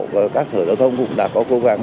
và các sở giao thông cũng đã có cố gắng